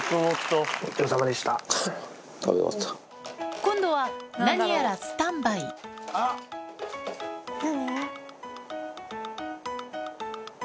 今度は何やらスタンバイ何？